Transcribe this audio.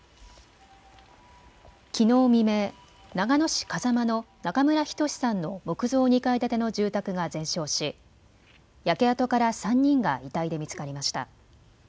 きのう未明、長野市風間の中村均さんの木造２階建ての住宅が全焼し焼け跡から３人が遺体で見つかりました。